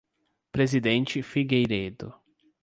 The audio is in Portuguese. Presidente Figueiredo